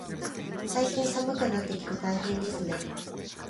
最近、寒くなってきて大変ですね。